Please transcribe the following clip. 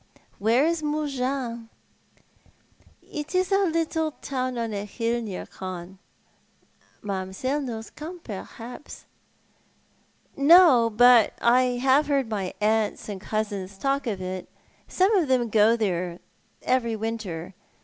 "Where is Mougins?" '' It is a little town on a hill near Cannes. Mam'selle knows Cannes, perhaps?" " No ; but I have lieard my aunts and cousins talk of it. Some of them go there every winter.